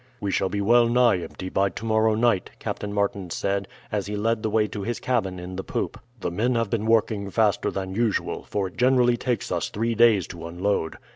"We shall be well nigh empty by tomorrow night," Captain Martin said, as he led the way to his cabin in the poop. "The men have been working faster than usual, for it generally takes us three days to unload."